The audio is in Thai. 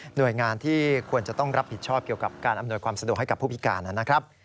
โดยงานที่ควรจะต้องรับผิดชอบเกี่ยวกับการอำนวยความสะดวกให้กับผู้พิการนะครับ